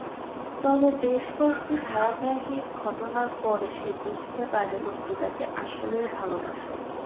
তবে বেশ কয়েকটি ধারাবাহিক ঘটনার পরে সে বুঝতে পারে লোকটি তাকে আসলেই ভালবাসে।